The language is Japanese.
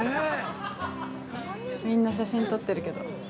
みんな写真撮ってるけど。